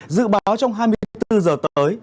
dự báo trong hai mươi bốn h tới